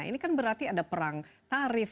ini kan berarti ada perang tarif